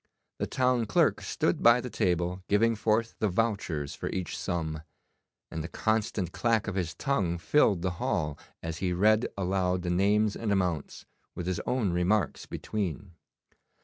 The town clerk stood by the table giving forth the vouchers for each sum, and the constant clack of his tongue filled the hall, as he read aloud the names and amounts, with his own remarks between.